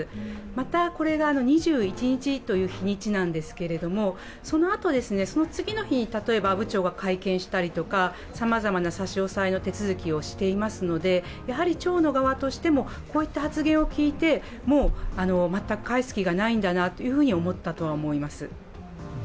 また、これが２１日という日にちなんですけれども、そのあと、その次の日に阿武町が会見したりとかさまざまな差し押さえの手続きをしていますので町の側としても、こういった発言を聞いてもう全く返す気がないんだなと思ったと思います。